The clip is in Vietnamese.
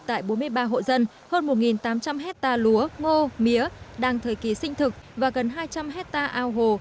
tại bốn mươi ba hộ dân hơn một tám trăm linh hectare lúa ngô mía đang thời kỳ sinh thực và gần hai trăm linh hectare ao hồ